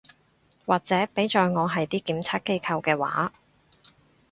或者畀在我係啲檢測機構嘅話